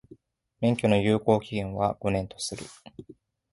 免許の有効期間は、五年とする。